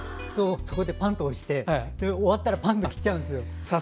そこでパンッと押して終わったらパンッと切っちゃうんです。